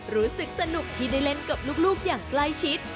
รู้สึกสนุกที่ได้เล่นกับลูกอย่างใกล้ชิด